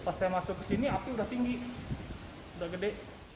pas saya masuk ke sini api sudah tinggi udah gede